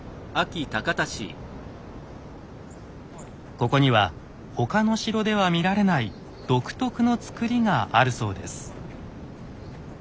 ここには他の城では見られない独特の造りがあるそうです。